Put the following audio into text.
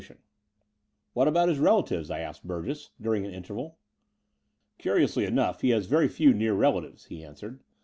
The Brighton Road 75 "What about his relatives?" I asked Burgess, during an interval. Curiously enough he has very few near rela tives/' he answered.